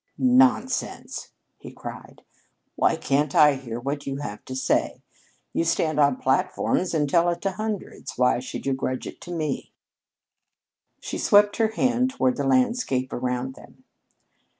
"Nonsense!" he cried. "Why can't I hear what you have to say? You stand on platforms and tell it to hundreds. Why should you grudge it to me?" She swept her hand toward the landscape around them.